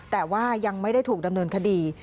แต่ว่ายังไม่ได้ถูกดำเนินคดี